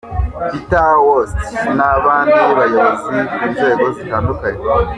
Peter Woeste, n’abandi bayobozi ku nzego zitandukanye.